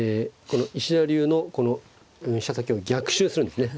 この石田流のこの飛車先を逆襲するんですね。